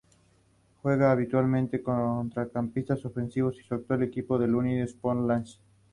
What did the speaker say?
Juega habitualmente de centrocampista ofensivo y su actual equipo es la Unione Sportiva Lecce.